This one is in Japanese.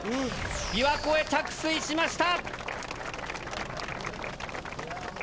琵琶湖へ着水しました！